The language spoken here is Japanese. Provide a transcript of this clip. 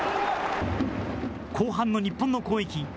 後半の日本の攻撃。